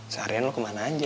seharian lo kemana aja